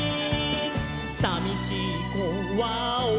「さみしい子はおいで」